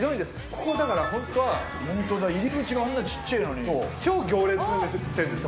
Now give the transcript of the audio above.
ここはだからホントはホントだ入り口があんなちっちゃいのに超行列店です